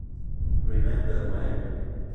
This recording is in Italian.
Remember When?